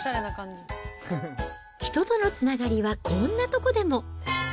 人とのつながりはこんな所でも。